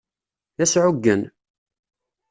D asɛuggen.